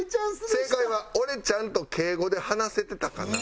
正解は「俺ちゃんと敬語で話せてたかな？」。